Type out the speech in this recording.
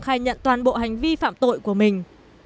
khai nhận toàn bộ hành vi phạm tội của mình